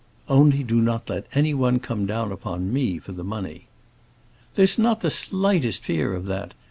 "Only do not let any one come down upon me for the money." "There is not the slightest fear of that.